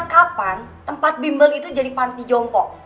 kapan tempat bimbel itu jadi panti jompo